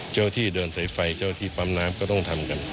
เจ้าที่เดินสายไฟเจ้าที่ปั๊มน้ำก็ต้องทำกัน